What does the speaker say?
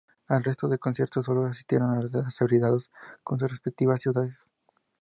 Al resto de conciertos solo asistieron a los celebrados en sus respectivas ciudades.